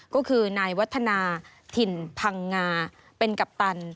ก็คือนายวัฒนาถิ่นพังงาเป็นกัปตัน